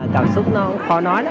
cảm xúc nó khó nói lắm